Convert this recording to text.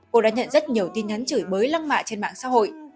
cô đã nhận rất nhiều tin nhắn chửi bới lăng mạ trên mạng xã hội